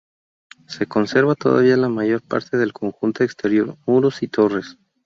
Se conserva todavía la mayor parte del conjunto exterior, muros y torres.